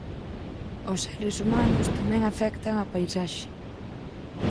Os seres humanos tamén afectan a paisaxe.